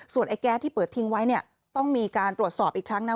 ไอ้แก๊สที่เปิดทิ้งไว้เนี่ยต้องมีการตรวจสอบอีกครั้งนะ